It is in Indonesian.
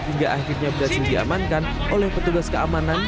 hingga akhirnya berhasil diamankan oleh petugas keamanan